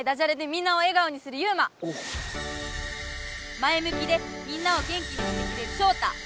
「『ま』えむきでみんなを元気にしてくれるショウ『タ』」！